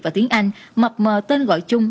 và tiếng anh mập mờ tên gọi chung